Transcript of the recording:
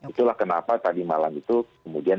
itulah kenapa tadi malam itu kemudian